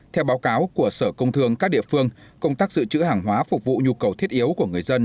theo báo cáo của sở công thương các địa phương công tác dự trữ hàng hóa phục vụ nhu cầu thiết yếu của người dân